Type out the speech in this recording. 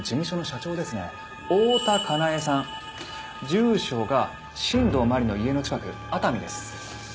住所が新道真理の家の近く熱海です。